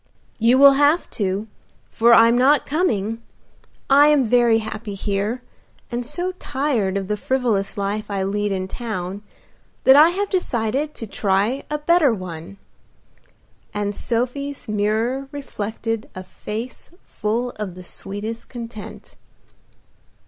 "You will have to, for I'm not coming. I am very happy here, and so tired of the frivolous life I lead in town, that I have decided to try a better one," and Sophie's mirror reflected a face full of the sweetest content.